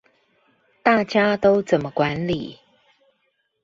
大家都怎麼管理